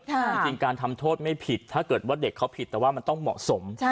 จริงการทำโทษไม่ผิดถ้าเกิดว่าเด็กเขาผิดแต่ว่ามันต้องเหมาะสม